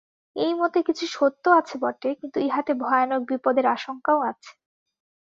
এই মতে কিছু সত্য আছে বটে, কিন্তু ইহাতে ভয়ানক বিপদের আশঙ্কাও আছে।